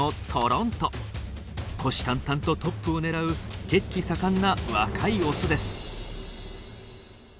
虎視眈々とトップを狙う血気盛んな若いオスです。